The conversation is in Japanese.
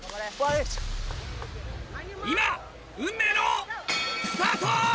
今運命のスタート！